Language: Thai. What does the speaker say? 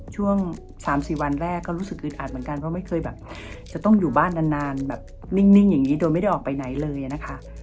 ช่วง๓๔วันแรกก็รู้สึกอึดอัดเหมือนกันเพราะไม่เคยแบบจะต้องอยู่บ้านนานแบบนิ่งอย่างนี้โดยไม่ได้ออกไปไหนเลยนะคะ